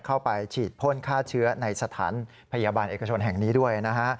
เข้าไปฉีดพ่นฆ่าเชื้อในสถานพยาบาลเอกชนแห่งนี้ด้วยนะฮะ